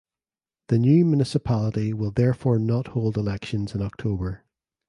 The new municipality will therefore not hold elections in October.